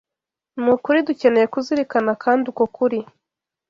ni ukuri dukeneye kuzirikana kandi uko kuri